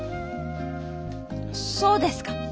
そうですか。